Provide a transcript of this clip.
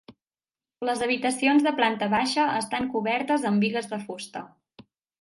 Les habitacions de planta baixa estan cobertes amb bigues de fusta.